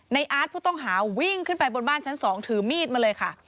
อาร์ตผู้ต้องหาวิ่งขึ้นไปบนบ้านชั้น๒ถือมีดมาเลยค่ะ